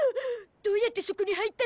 どうやってそこに入ったの？